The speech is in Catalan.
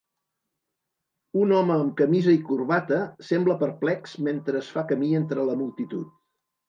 Un home amb camisa i corbata, sembla perplex mentre es fa camí entre la multitud.